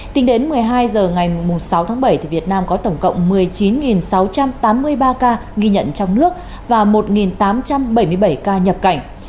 tính đến một mươi hai h ngày sáu tháng bảy việt nam có tổng cộng một mươi chín sáu trăm tám mươi ba ca ghi nhận trong nước và một tám trăm bảy mươi bảy ca nhập cảnh